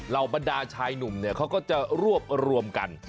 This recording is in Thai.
บรรดาชายหนุ่มเนี่ยเขาก็จะรวบรวมกัน